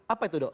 apa itu dong